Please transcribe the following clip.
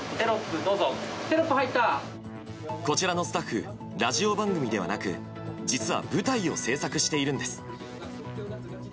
こちらのスタッフラジオ番組ではなく実は舞台を制作しているんです。